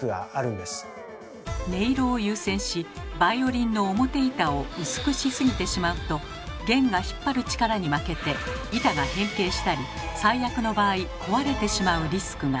音色を優先しバイオリンの表板を薄くしすぎてしまうと弦が引っ張る力に負けて板が変形したり最悪の場合壊れてしまうリスクが。